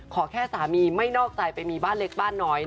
ขอแค่สามีไม่นอกใจไปมีบ้านเล็กบ้านน้อย